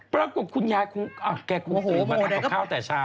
ปรากฏคุณยายคงตื่นมาทำกับข้าวแต่เช้า